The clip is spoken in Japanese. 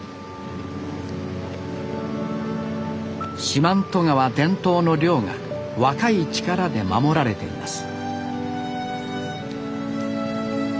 四万十川伝統の漁が若い力で守られています